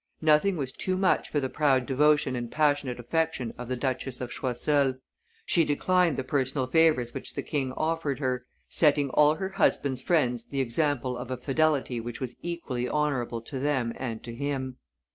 Nothing was too much for the proud devotion and passionate affection of the Duchess of Choiseul: she declined the personal favors which the king offered her, setting all her husband's friends the example of a fidelity which was equally honorable to them and to him.